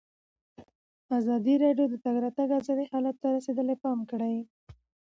ازادي راډیو د د تګ راتګ ازادي حالت ته رسېدلي پام کړی.